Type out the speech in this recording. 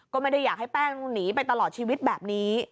ก็ไม่ได้อยากให้แป้งต้องหนีไปตลอดชีวิตแบบนี้